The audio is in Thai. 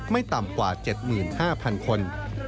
ไม่ต่ำกว่า๗๕๐๐๐คน